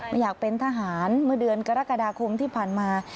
ไม่อยากเป็นทหารเมื่อเดือนกรกฎาคมที่ผ่านมา